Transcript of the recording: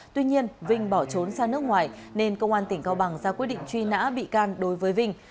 tuy nhiên vinh bỏ trốn sang nước ngoài nên công an tỉnh cao bằng ra quyết định truy nã bị can đối với vinh